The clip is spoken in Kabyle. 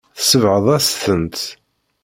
Tsebɣeḍ-as-tent.